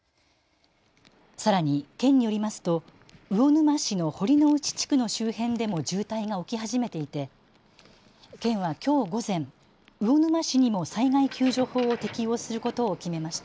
さらに県によりますと魚沼市の堀之内地区の周辺でも渋滞が起き始めていて県はきょう午前、魚沼市にも災害救助法を適用することを決めました。